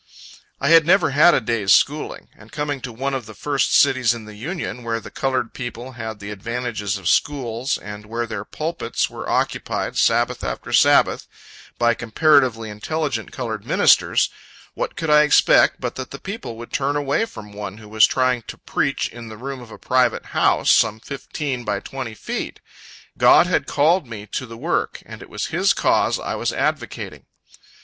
I had never had a day's schooling; and coming to one of the first cities in the Union, where the colored people had the advantages of schools, and where their pulpits were occupied, Sabbath after Sabbath, by comparatively intelligent colored ministers what could I expect, but that the people would turn away from one who was trying to preach in the room of a private house, some fifteen by twenty feet? Yet, there was no turning back: God had called me to the work, and it was His cause I was advocating.